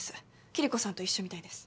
キリコさんと一緒みたいです